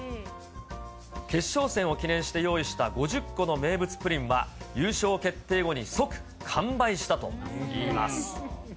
決勝戦を記念して用意した５０個の名物プリンは、優勝決定後に即完売したといいます。